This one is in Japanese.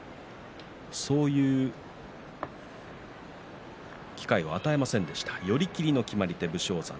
そういう機会を与えませんでした寄り切りの決まり手です。